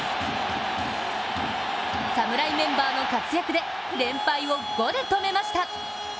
侍メンバーの活躍で連敗を５で止めました。